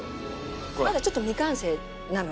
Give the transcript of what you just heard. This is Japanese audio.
まだちょっと未完成なので。